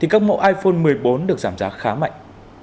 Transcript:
các mẫu iphone một mươi bốn được giảm giá khá mạnh